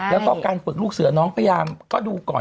แล้วก็การฝึกลูกเสือน้องพยายามก็ดูก่อน